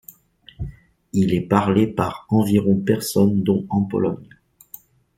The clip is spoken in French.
Il est parlé par environ personnes dont en Pologne.